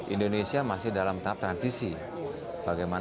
indonesia masih dalam tahap transisi